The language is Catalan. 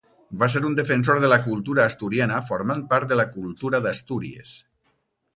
Va ser un defensor de la cultura asturiana formant part de la cultura d'Astúries.